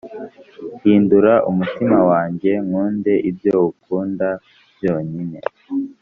Hindura umutima wanjye nkunde ibyo ukunda byonyine